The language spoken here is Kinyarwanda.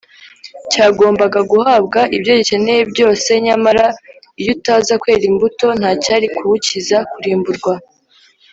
cyagombaga guhabwa ibyo gikeneye byose nyamara iyo utaza kwera imbuto, nta cyari kuwukiza kurimburwa